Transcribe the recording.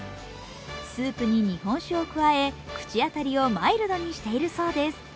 スープに日本酒を加え口当たりをマイルドにしているそうです。